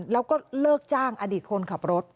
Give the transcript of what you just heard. แล้วก็เลิกจ้างอดีตคนขับรถ